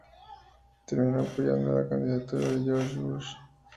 Terminó apoyando la candidatura de George Bush.